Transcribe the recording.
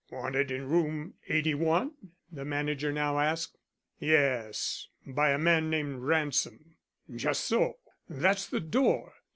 "Wanted in Room 81?" the manager now asked. "Yes, by a man named Ransom." "Just so. That's the door.